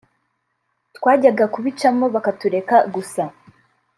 twajyaga kubicamo bakatureka gusa